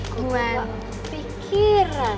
gue gak pikiran